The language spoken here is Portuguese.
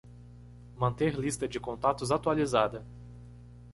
Manter lista de contatos atualizada.